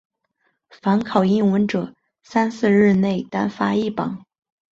凡考英文者三四日内单发一榜。